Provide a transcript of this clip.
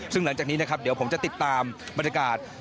ซึ่งหลังจากนี้นะครับเดี๋ยวผมจะติดตามบรรยากาศ